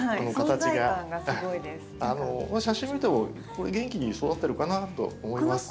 この写真見ても元気に育ってるかなと思います。